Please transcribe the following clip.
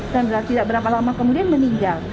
dan tidak berapa lama kemudian meninggal